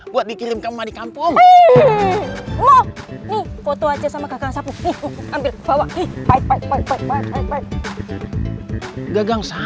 buat dikirim ke emak di kampung